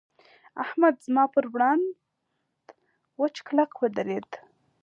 احمد زما پر وړاند وچ کلک ودرېد.